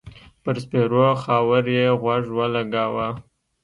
پر سپېرو خاور يې غوږ و لګاوه.